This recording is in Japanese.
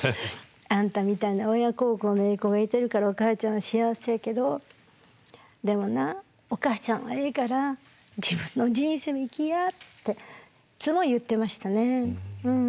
「あんたみたいな親孝行のええ子がいてるからおかあちゃんは幸せやけどでもなおかあちゃんはええから自分の人生を生きや」っていつも言ってましたね。